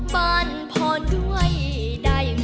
บรรพรด้วยได้ไหม